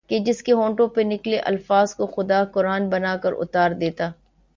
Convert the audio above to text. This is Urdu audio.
کہ جس کے ہونٹوں سے نکلے الفاظ کو خدا قرآن بنا کر اتار دیتا